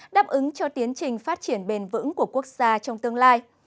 đáp ứng cho tiến trình phát triển bền vững của quốc gia trong tương lai